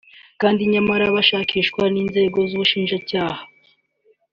kandi nyamara bashakishwa n’inzego z’ubushinjacyaha